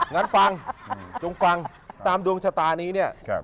งั้นฟังจงฟังตามดวงชะตานี้เนี่ย